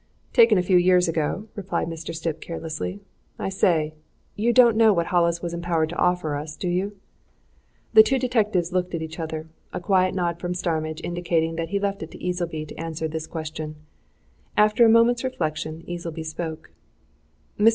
"Taken a few years ago," replied Mr. Stipp carelessly. "I say you don't know what Hollis was empowered to offer us, do you?" The two detectives looked at each other; a quiet nod from Starmidge indicated that he left it to Easleby to answer this question. And after a moment's reflection, Easleby spoke. "Mr.